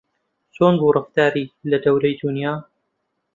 چۆن بوو ڕەفتاری لە دەورەی دونیا